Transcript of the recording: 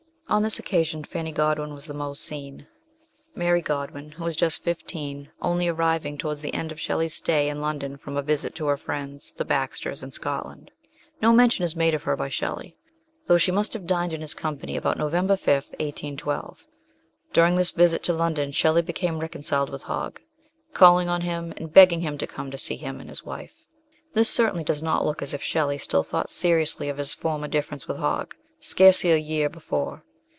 On this occasion Fanny Godwin was the most seen ; Mary Godwin, who was just fifteen, only arriving towards the end of Shelley's stay in London from a visit to her iriends, the Baxters, in Scotland. No mention is made of her by Shelley, though she must have dined in his company about November 5, 1812. During this visit to London Shelley became reconciled with Hogg, calling on him and begging him to come to see him and his wife. This certainly does not look as if Shelley still thought seriously of his former difference with Hogg scarcely a year before.